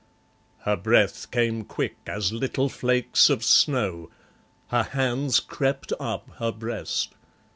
Her breath came quick as little flakes of snow. Her hands crept up her breast.